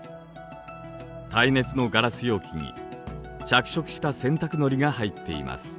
耐熱のガラス容器に着色した洗濯のりが入っています。